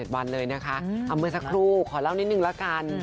วันเลยนะคะเมื่อสักครู่ขอเล่านิดนึงละกัน